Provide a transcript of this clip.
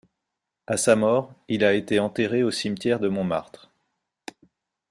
À sa mort, il a été enterré au cimetière de Montmartre.